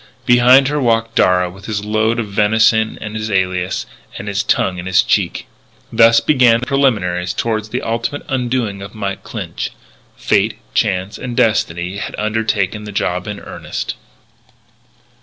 Behind her walked Darragh with his load of venison and his alias, and his tongue in his cheek. Thus began the preliminaries toward the ultimate undoing of Mike Clinch. Fate, Chance, and Destiny had undertaken the job in earnest.